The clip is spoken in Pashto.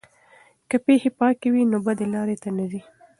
که پښې پاکې وي نو بدې لارې ته نه ځي.